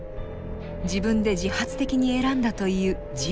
自分で自発的に選んだという自負。